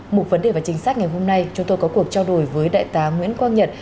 một vấn đề và chính sách ngày hôm nay chúng tôi có cuộc trao đổi với đại tá nguyễn quang nhật